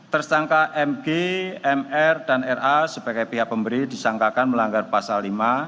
tersangka mg mr dan ra sebagai pihak pemberi disangkakan melanggar pasal lima